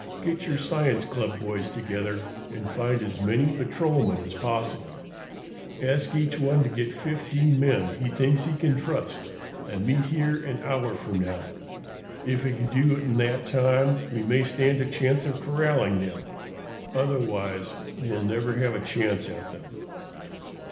Get your science club boys together and find as many patrolmen as possible. Ask each one to get fifteen men he thinks he can trust and meet here an hour from now. If we can do it in that time we may stand a chance of corralling them. Otherwise, we'll never have a chance at them."